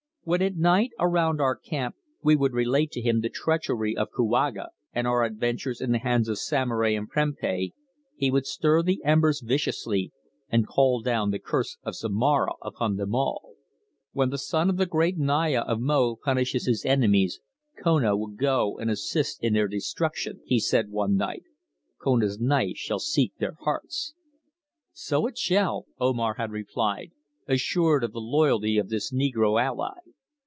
When at night around our camp fire we would relate to him the treachery of Kouaga, and our adventures in the hands of Samory and Prempeh, he would stir the embers viciously and call down the curse of Zomara upon them all. "When the son of the great Naya of Mo punishes his enemies, Kona will go and assist in their destruction," he said one night. "Kona's knife shall seek their hearts." "So it shall," Omar had replied, assured of the loyalty of this negro ally.